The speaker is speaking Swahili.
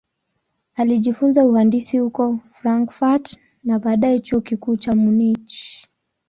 Alijifunza uhandisi huko Frankfurt na baadaye Chuo Kikuu cha Munich.